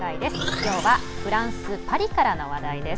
きょうはフランス・パリからの話題です。